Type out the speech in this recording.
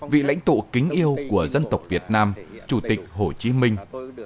vị lãnh tụ kính yêu của dân tộc việt nam chủ tịch hồ chí minh